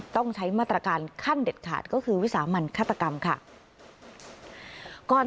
ต้องใช้มาตรการขั้นเด็ดขาดก็คือวิสามันฆาตกรรมค่ะ